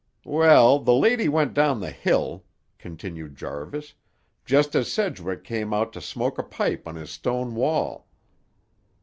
"Well, the lady went down the hill," continued Jarvis, "just as Sedgwick come out to smoke a pipe on his stone wall.